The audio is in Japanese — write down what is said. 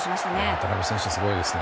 渡邉選手、すごいですね。